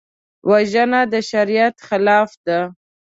وژنه د شریعت خلاف ده